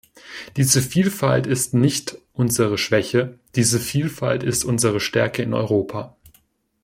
Diese Vielfalt ist nicht unsere Schwäche, diese Vielfalt ist unsere Stärke in Europa!